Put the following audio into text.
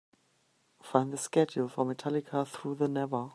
Find the schedule for Metallica Through the Never.